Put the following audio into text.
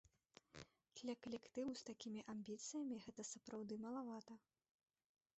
Для калектыву з такімі амбіцыямі гэта сапраўды малавата.